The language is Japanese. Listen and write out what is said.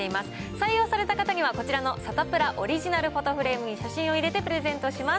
採用された方にはこちらのサタプラオリジナルフォトフレームに写真を入れてプレゼントします。